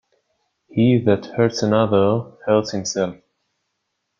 He that hurts another, hurts himself.